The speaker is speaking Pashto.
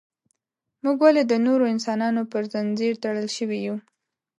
موږ ولې د نورو انسانانو پر زنځیر تړل شوي یو.